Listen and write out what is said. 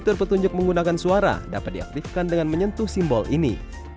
fitur petunjuk menggunakan suara dapat diaktifkan dengan menyentuh simbol ini